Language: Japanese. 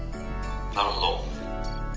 「なるほど」。